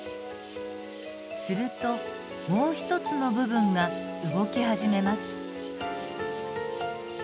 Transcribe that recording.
するともう一つの部分が動き始めます。